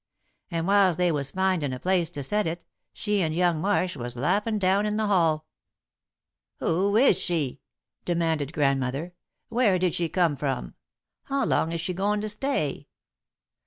And whiles they was findin' a place to set it, she and young Marsh was laughin' down in the hall." [Sidenote: Servant's Gossip] "Who is she?" demanded Grandmother. "Where did she come from? How long is she goin' to stay?